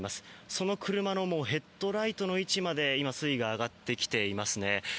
その車のヘッドライトの位置まで水位が上がってきています。